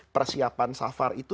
persiapan safar itu